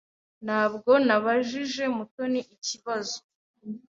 Ntabwo nabajije Mutoni ikibazo.